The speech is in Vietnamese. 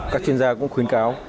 các chuyên gia cũng khuyến cáo